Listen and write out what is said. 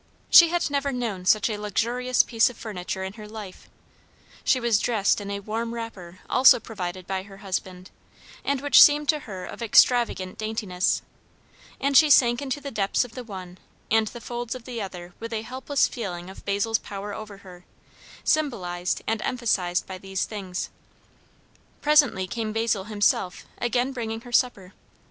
She had never known such a luxurious piece of furniture in her life; she was dressed in a warm wrapper also provided by her husband, and which seemed to her of extravagant daintiness; and she sank into the depths of the one and the folds of the other with a helpless feeling of Basil's power over her, symbolized and emphasized by these things. Presently came Basil himself, again bringing her supper.